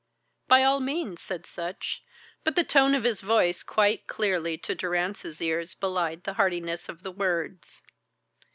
"By all means," said Sutch, but the tone of his voice quite clearly to Durrance's ears belied the heartiness of the words.